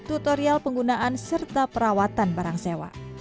tutorial penggunaan serta perawatan barang sewa